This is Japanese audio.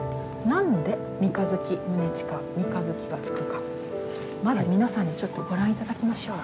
なんで「三日月宗近」「三日月」が付くかまず皆さんにちょっとご覧頂きましょう。